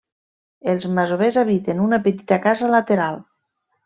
Els masovers habiten una petita casa lateral.